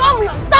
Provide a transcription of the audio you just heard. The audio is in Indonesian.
jangan ikut contoh